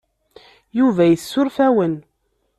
Yuba yessuref-awen.